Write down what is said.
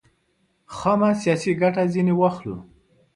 خامه سیاسي ګټه ځنې واخلو.